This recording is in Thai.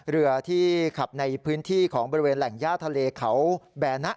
เรือที่ขับในพื้นที่ของบริเวณแหล่งย่าทะเลเขาแบนะ